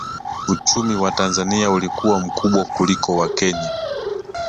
Uchumi wa Tanzania ulikuwa mkubwa kuliko wa Kenya